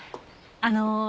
あの。